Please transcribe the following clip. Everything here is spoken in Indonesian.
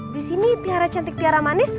disini tiara cantik tiara manis